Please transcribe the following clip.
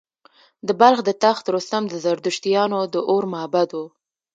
د بلخ د تخت رستم د زردشتیانو د اور معبد و